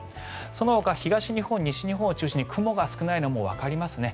そのほか東日本、西日本を中心に雲が少ないのはもうわかりますね。